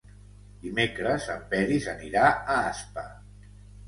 Dimecres en Peris anirà a Aspa.